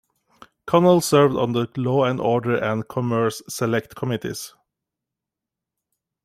Connell served on the Law and Order and Commerce select committees.